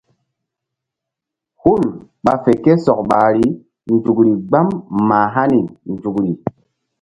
Hul ɓa fe ké sɔk ɓahri nzukri gbam mah hani nzukri.